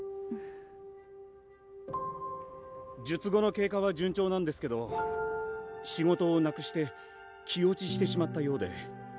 術後の経過は順調なんですけど仕事をなくして気落ちしてしまったようで。